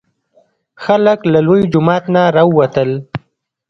خلک له لوی جومات نه راوتل.